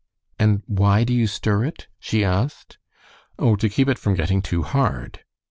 "And why do you stir it?" she asked. "Oh, to keep it from getting too hard."